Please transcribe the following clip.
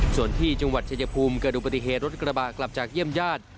ส่วนที่จังหวัดชายภูมิเกิดดูปฏิเหตุรถกระบะกลับจากเยี่ยมญาติ